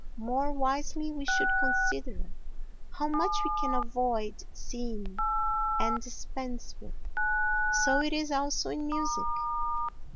More wisely we should consider how much we can avoid seeing and dispense with. So it is also in music.